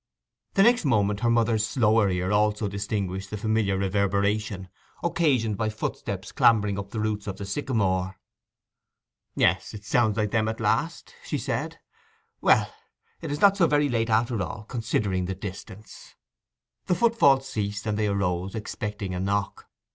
The next moment her mother's slower ear also distinguished the familiar reverberation occasioned by footsteps clambering up the roots of the sycamore. 'Yes it sounds like them at last,' she said. 'Well, it is not so very late after all, considering the distance.' The footfall ceased, and they arose, expecting a knock.